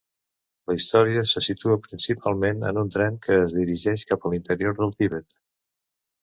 La història se situa principalment en un tren que es dirigeix cap a l'interior del Tibet.